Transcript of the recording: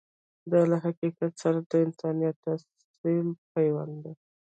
دا له حقیقت سره د انسانیت اصیل پیوند دی.